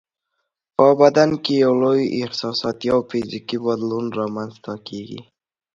په بدن کې یې لوی احساساتي او فزیکي بدلونونه رامنځته کیږي.